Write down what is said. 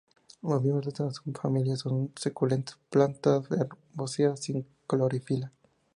Los miembros de esta subfamilia son suculentas, plantas herbáceas sin clorofila.